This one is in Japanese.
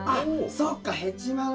そっか。